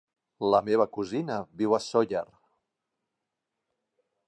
La meva cosina viu a Sóller.